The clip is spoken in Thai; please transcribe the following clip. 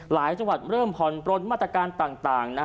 จังหวัดเริ่มผ่อนปลนมาตรการต่าง